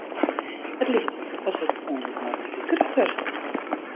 It liket wol as wurdt it oanbod mei de wike grutter.